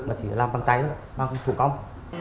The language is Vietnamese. mà chỉ làm bằng tay thôi bằng cụ công